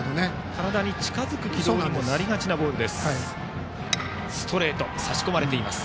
体に近づく軌道になりがちなボールです。